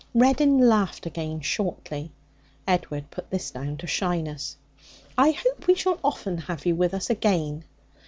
Reddin laughed again shortly. Edward put this down to shyness. 'I hope we shall often have you with us again.'